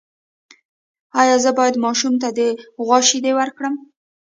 ایا زه باید ماشوم ته د غوا شیدې ورکړم؟